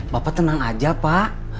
bapak tenang aja pak